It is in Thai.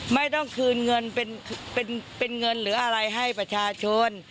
ไม่ต้องคืนเงินเป็นเงินหรืออะไรให้ประชาชน